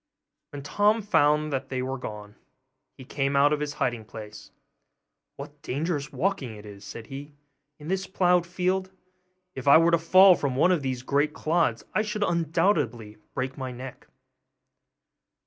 When Tom found they were gone, he came out of his hiding place. 'What dangerous walking it is,' said he, 'in this ploughed field! If I were to fall from one of these great clods, I should undoubtedly break my neck.